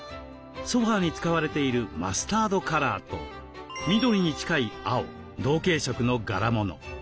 ソファーに使われているマスタードカラーと緑に近い青同系色の柄物。